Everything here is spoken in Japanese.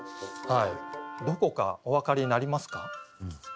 どこかお分かりになりますか？